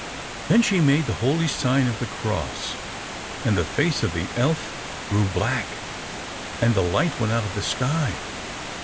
Then she made the holy sign of the cross, and the face of the elf grew black, and the light went out of the sky.